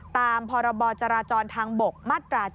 ตามพรจทางบม๗๖